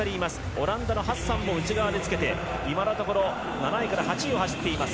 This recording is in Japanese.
オランダのハッサンも内側につけて今のところ７位から８位を走っています。